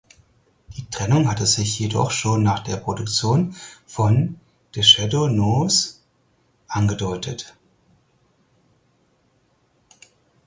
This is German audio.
Die Trennung hatte sich jedoch schon nach der Produktion von "The Shadow Knows" angedeutet.